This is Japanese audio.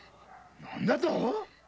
何だと！？